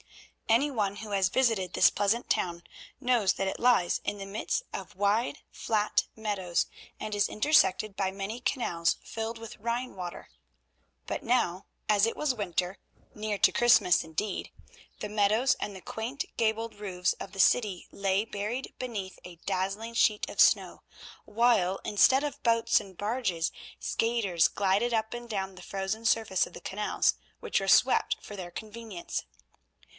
Any one who has visited this pleasant town knows that it lies in the midst of wide, flat meadows, and is intersected by many canals filled with Rhine water. But now, as it was winter, near to Christmas indeed, the meadows and the quaint gabled roofs of the city lay buried beneath a dazzling sheet of snow, while, instead of boats and barges, skaters glided up and down the frozen surface of the canals, which were swept for their convenience.